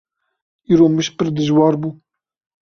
Îro mij pir dijwar bû.